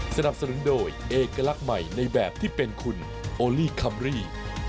สนับสนุนโดยเอกลักษณ์ใหม่ในแบบที่เป็นคุณโอลี่คัมรี่